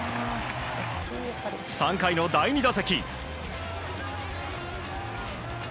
３回の第２打席。